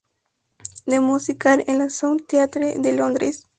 The Musical", en el "Sound Theatre" de Londres.